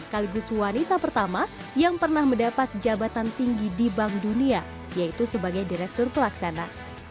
sekaligus wanita pertama yang pernah mendapat jabatan tinggi di bank dunia yaitu sebagai direktur pelaksana